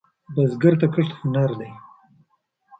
بزګر ته کښت هنر دی